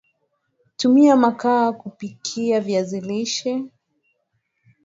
tumia Mkaa kupikia viazi lishe